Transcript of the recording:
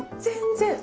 全然。